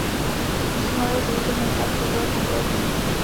Musím ale říct, že moje otázka byla konkrétnější.